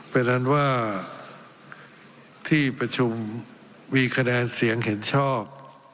เพราะฉะนั้นว่าที่ประชุมมีคะแนนเสียงเห็นชอบ